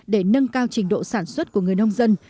để nâng cao trình độ sản xuất của người nông dân